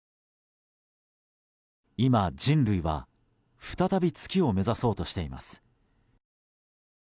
今、人類は再び月を目指そうとしています。